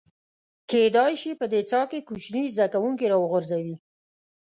کېدای شي په دې څاه کې کوچني زده کوونکي راوغورځي.